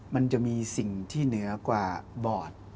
มันจะมีสิ่งที่เหนือกว่าบอด